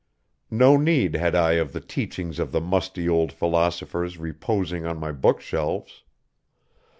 No need had I of the teachings of the musty old philosophers reposing on my bookshelves.